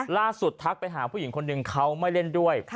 ทักไปหาผู้หญิงคนหนึ่งเขาไม่เล่นด้วย